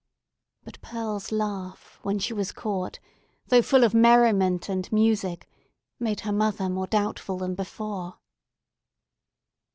But Pearl's laugh, when she was caught, though full of merriment and music, made her mother more doubtful than before.